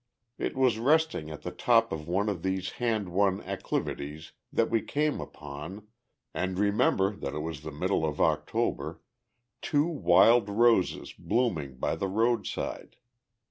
It was resting at the top of one of these hard won acclivities that we came upon and remember that it was the middle of October two wild roses blooming by the roadside.